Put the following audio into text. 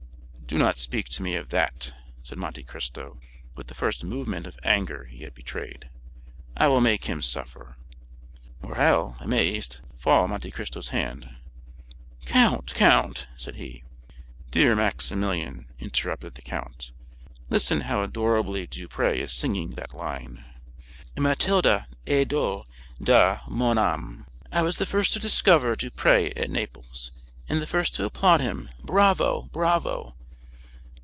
"Do not speak to me of that," said Monte Cristo, with the first movement of anger he had betrayed; "I will make him suffer." Morrel, amazed, let fall Monte Cristo's hand. "Count, count!" said he. "Dear Maximilian," interrupted the count, "listen how adorably Duprez is singing that line,— 'O Mathilde! idole de mon âme!' "I was the first to discover Duprez at Naples, and the first to applaud him. Bravo, bravo!"